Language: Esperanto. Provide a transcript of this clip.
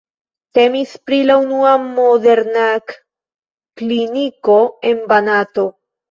Temis pri la unua modernak kliniko en Banato.